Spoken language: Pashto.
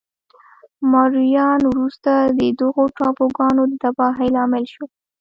مایوریان وروسته د دغو ټاپوګانو د تباهۍ لامل شول.